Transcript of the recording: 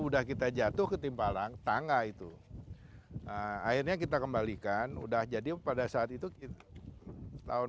udah kita jatuh ke timpalang tangga itu akhirnya kita kembalikan udah jadi pada saat itu tahun